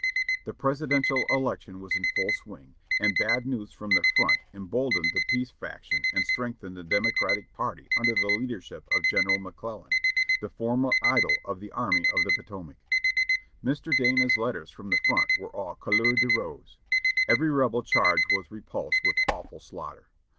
The Presidential election was in full swing, and bad news from the front emboldened the Peace faction and strengthened the Democratic party under the leadership of General McClellan, the former idol of the Army of the Potomac. Mr. Dana's letters from the front were all colcur de rose. Every Rebel charge was repulsed with awful slaughter.